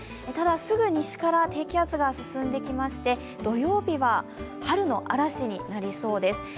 ただすぐ西から低気圧が進んできまして土曜日は春の嵐になりそうです。